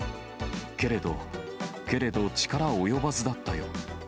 けれど、けれど力及ばずだったよ。